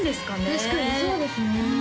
確かにそうですね